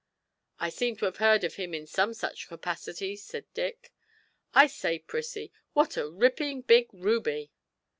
'I seem to have heard of him in some such capacity,' said Dick. 'I say, Prissie, what a ripping big ruby!'